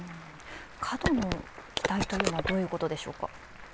過度の期待とはどういうことでしょうか。